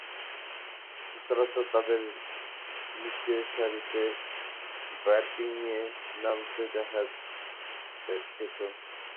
সচরাচর তাকে নিচেরসারিতে ব্যাটিংয়ে নামতে দেখা যেতো।